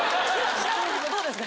どうですか？